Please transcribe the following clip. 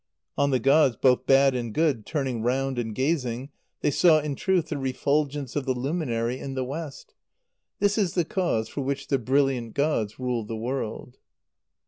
On the gods, both bad and good, turning round and gazing, they saw in truth the refulgence of the luminary in the west. This is the cause for which the brilliant gods rule the world.